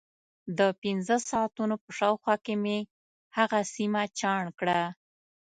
د پنځه ساعتونو په شاوخوا کې مې هغه سیمه چاڼ کړه.